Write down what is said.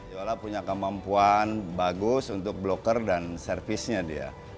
yola punya kemampuan bagus untuk bloker dan servisnya dia